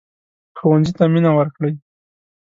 ښوونځی ته مينه ورکړئ